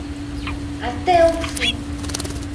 Até o fim